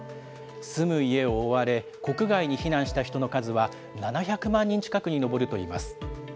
住む家を追われ、国外に避難した人の数は７００万人近くに上るといいます。